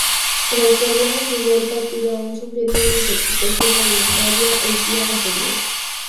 El australiano jugó el partido aun sufriendo una intoxicación alimentaria el día anterior.